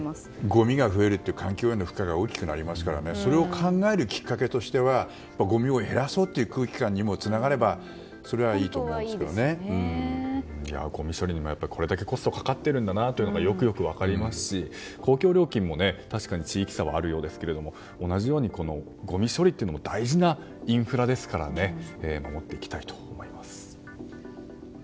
ごみが増えると環境への負荷が大きくなりますからそれを考えるきっかけとしてごみを減らそうという空気感につながればごみ処理に、これだけコストがかかっているんだなということがよくわかりますし公共料金も地域差はあるようですが同じようにごみ処理というのも大事なインフラですから守っていきたいと思います。